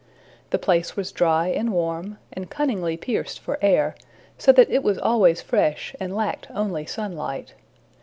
The place was dry and warm, and cunningly pierced for air, so that it was always fresh, and lacked only sunlight.